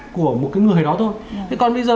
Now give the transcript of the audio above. của một người đó thôi còn bây giờ